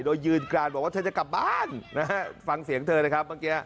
โดยยืนกลานบอกว่าเธอกลับบ้านฟังเสียงเธอนะครับ